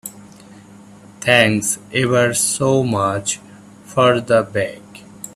Thanks ever so much for the bag.